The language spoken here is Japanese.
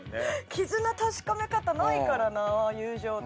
絆確かめ方ないからな友情って。